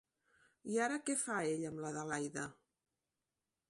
I ara què fa ell amb l'Adelaida?